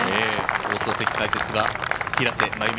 放送席の解説は平瀬真由美